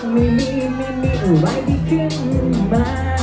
ไม่มีไม่มีอวัยที่ขึ้นมา